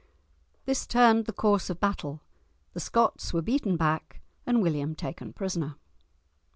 This turned the course of battle; the Scots were beaten back, and William taken prisoner.